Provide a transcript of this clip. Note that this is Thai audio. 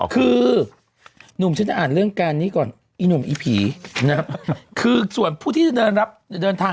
คือวัน